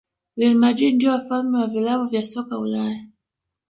real madrid ndio wafalme wa vilabu vya soka ulaya